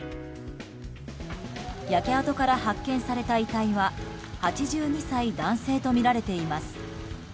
焼け跡から発見された遺体は８２歳男性とみられています。